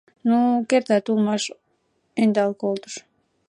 Ну, кертат улмаш! — ӧндал колтыш.